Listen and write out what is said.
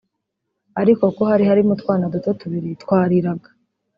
ariko kuko hari harimo utwana duto tubiri twariraga